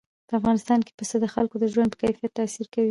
په افغانستان کې پسه د خلکو د ژوند په کیفیت تاثیر کوي.